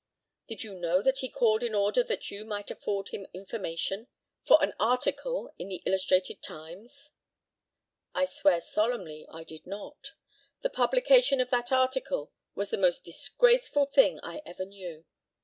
Did you know that he called in order that you might afford him information for an article in the Illustrated Times? I swear solemnly I did not. The publication of that article was the most disgraceful thing I ever knew.